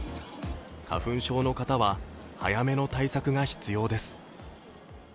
花粉症の方は早めの対策が必要です。